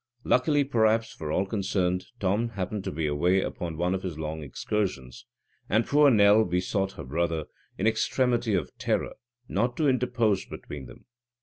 Luckily, perhaps, for all concerned, Tom happened to be away upon one of his long excursions, and poor Nell besought her brother, in extremity of terror, not to interpose between them.